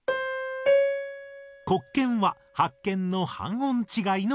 黒鍵は白鍵の半音違いの音。